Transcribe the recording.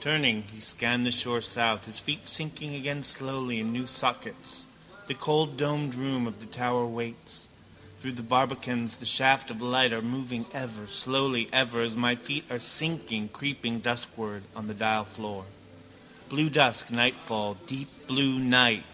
Turning, he scanned the shore south, his feet sinking again slowly in new sockets. The cold domed room of the tower waits. Through the barbacans the shafts of light are moving ever, slowly ever as my feet are sinking, creeping duskward over the dial floor. Blue dusk, nightfall, deep blue night.